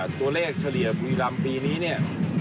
ตัวเลขเฉลี่ยบุรีรำปีนี้เนี่ย